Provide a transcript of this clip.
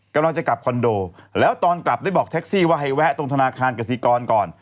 กำลังจะกลับคอนโดแล้วตอนกลับได้บอกแท็กซี่ว่าให้แวะตรงธนาคารกสิกรก่อน